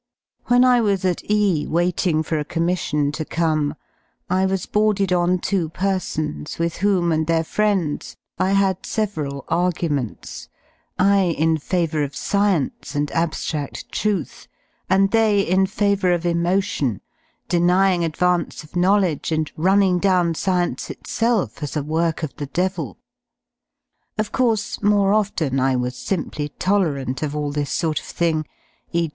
When I was at E waiting for a commission to come, I was boarded on two persons, with whom and their friends I had several argu ments, I in favour of science and abftradl truth, and they in favour of emotion, denying advance of knowledge and running down science itself as a work of the devil. Of course, more often I was simply tolerant of all this sort of thing, e.